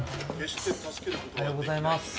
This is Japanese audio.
おはようございます。